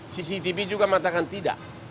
cctv juga mengatakan tidak